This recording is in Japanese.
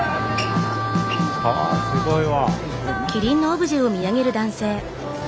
あすごいわ。